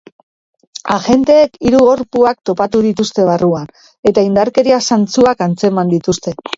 Agenteek hiru gorpuak topatu dituzte barruan, eta indarkeria zantzuak atzeman dituzte.